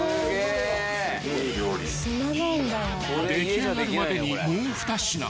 ［出来上がるまでにもう２品］